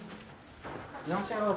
いらっしゃいませ。